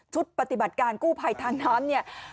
ปฏิบัติการกู้ภัยทางน้ำเนี่ย